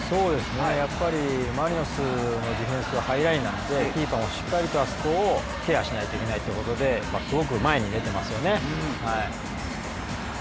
やっぱりマリノスのディフェンスはハイラインなんでキーパーもしっかりとあそこをケアしないといけないということですごく前に出てますよね。